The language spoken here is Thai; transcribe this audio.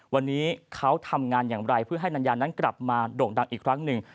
วันนี้เขาทำงานอย่างไรเพื่อให้นัญญานั้นกลับมาโด่งดังอีกครั้งหนึ่ง